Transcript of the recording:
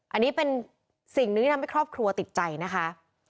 อันนี้เป็นสิ่งหนึ่งที่ทำให้ครอบครัวติดใจนะคะ